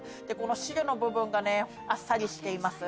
汁の部分があっさりしています。